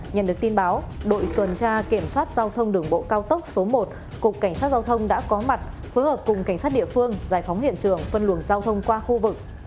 nhận được tin báo đội tuần tra kiểm soát giao thông đường bộ cao tốc số một cục cảnh sát giao thông đã có mặt phối hợp cùng cảnh sát địa phương giải phóng hiện trường phân luồng giao thông qua khu vực